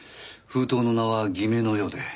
封筒の名は偽名のようで。